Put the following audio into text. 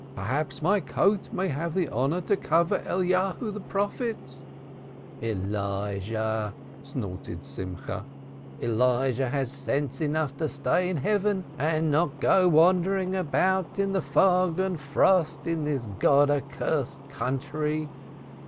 "Perhaps my coat may have the honor to cover Elijah the prophet." "Elijah the prophet!" snorted Simcha. "Elijah has sense enough to stay in heaven and not go wandering about shivering in the fog and frost of this God accursed country."